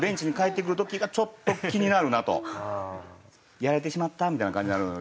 やられてしまったみたいな感じになるより。